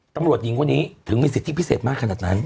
ตำรวจหญิงคนนี้ถึงมีสิทธิพิเศษมากขนาดนั้น